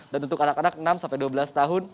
dan untuk anak anak enam sampai dua belas tahun